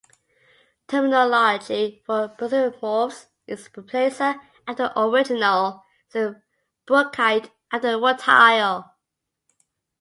Terminology for pseudomorphs is "replacer" after "original", as in "brookite" after "rutile".